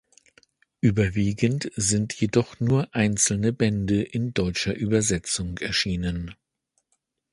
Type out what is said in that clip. Überwiegend sind jedoch nur einzelne Bände in deutscher Übersetzung erschienen.